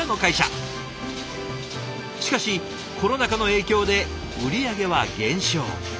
しかしコロナ禍の影響で売り上げは減少。